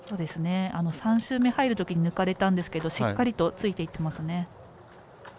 ３周目、入るときに抜かれたんですがしっかりとついていってますね。